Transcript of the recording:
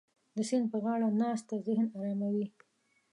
د سیند په غاړه ناسته ذهن اراموي.